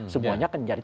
semuanya akan jadi